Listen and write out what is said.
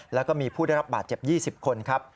แล้วก็มีผู้ได้รับบาดเจ็บ๒๐คนครับ